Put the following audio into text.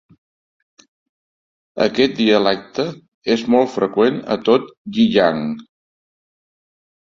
Aquest dialecte és molt freqüent a tot Yiyang.